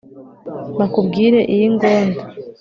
Bakubwire iy' Ingondo,